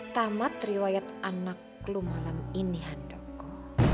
tamat riwayat anak lu malam ini handoko